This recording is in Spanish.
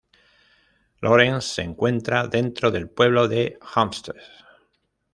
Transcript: Lawrence se encuentra dentro del pueblo de Hempstead.